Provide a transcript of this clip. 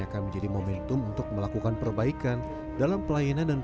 akan menjadi momentum untuk melakukan perbaikan dalam pelayanan dan